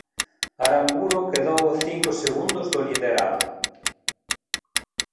Aranburu quedou a cinco segundos do liderado.